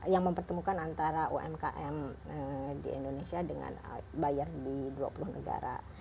yang mempertemukan antara umkm di indonesia dengan buyer di dua puluh negara